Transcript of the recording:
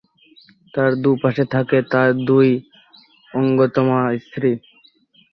তার দুপাশে থাকেন তার দুই অজ্ঞাতনামা স্ত্রী।